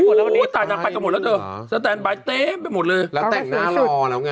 อืมอู๋แต่งหน้าไปกันหมดแล้วเจ้าไปหมดเลยแล้วแต่งหน้ารอแล้วไง